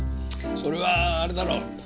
それはあれだろう。